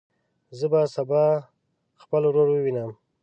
زه به سبا خپل ورور ووینم.